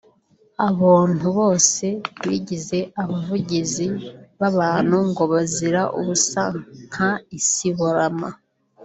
Abontu bose bigize abavugizi babantu ngo bazira ubusa nka Isibo Rama